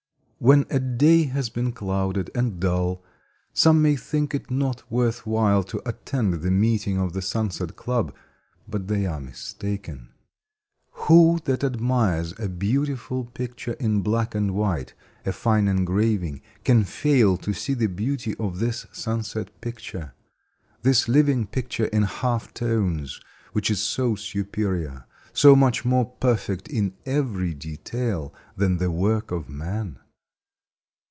When a day has been clouded and dull, some may think it not worth while to attend the meeting of the Sunset Club. But they are mistaken. Who that admires a beautiful picture in black and white—a fine engraving—can fail to see the beauty of this sunset picture; this living picture in half tones, which is so superior, so much more perfect in every detail than the work of man?